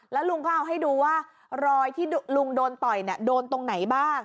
แล้วลุงก็เอาให้ดูว่ารอยที่ลุงโดนต่อยโดนตรงไหนบ้าง